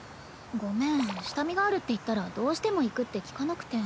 ごめん下見があるって言ったらどうしても行くって聞かなくて。